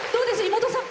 妹さん。